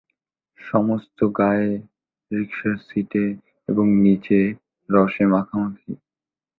সমস্ত গায়ে, রিকশার সিটে এবং নিচে রসে মাখামাখি।